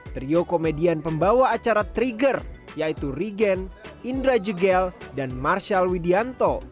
trio komedian pembawa acara trigger yaitu rigen indra jegel dan marshal widianto